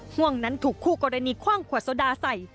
ห่วงนั้นถูกคู่กรณีคว่างขวดโซดาใส่